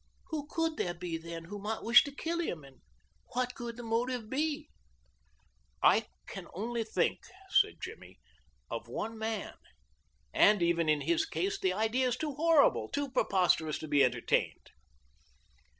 "Who could there be, then, who might wish to kill him, and what could the motive be?" "I can only think," said Jimmy, "of one man; and even in his case the idea is too horrible too preposterous to be entertained."